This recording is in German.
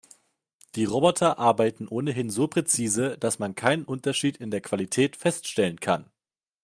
Die Roboter arbeiten ohnehin so präzise, dass man keinen Unterschied in der Qualität feststellen kann.